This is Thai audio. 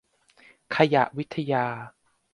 ขยะวิทยา